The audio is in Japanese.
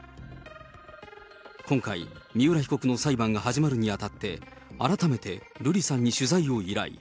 今回、三浦被告の裁判が始まるにあたって、改めて瑠麗さんに取材を依頼。